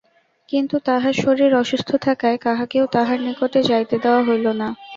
কিন্তু তাঁহার শরীর অসুস্থ থাকায় কাহাকেও তাঁহার নিকটে যাইতে দেওয়া হইল না।